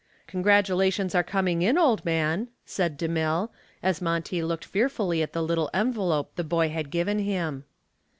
"Congratulations are coming in, old man," said DeMille, as Monty looked fearfully at the little envelope the boy had given him.